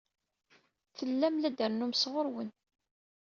Tellam la d-trennum sɣur-wen.